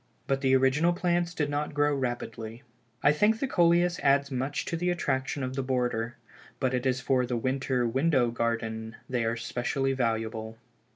But the original plants did not grow rapidly. I think the Coleus adds much to the attraction of the border, but it is for the winter window garden they are specially valuable."